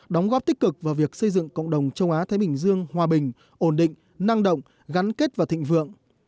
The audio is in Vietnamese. đóng góp tích cực vào việc xây dựng cộng đồng châu á thái bình dương hòa bình ổn định năng động gắn kết và thịnh vượng